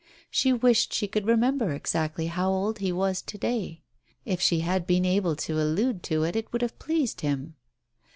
She wished she could remember exactly how old he was to day ? If she had been able to allude to it it would have pleased him.